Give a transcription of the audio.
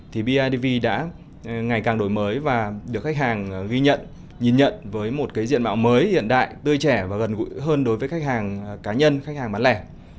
thì bidv đã ngày càng đổi mới và được khách hàng ghi nhận nhìn nhận với một cái diện mạo mới hiện đại tươi trẻ và gần gũi hơn đối với khách hàng cá nhân khách hàng bán lẻ